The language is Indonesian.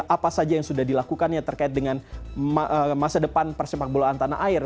apa saja yang sudah dilakukan yang terkait dengan masa depan persepak bola tanah air